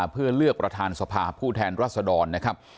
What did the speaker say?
เพื่อเลือกประธานสภาผู้แทนรัศดรนะครับ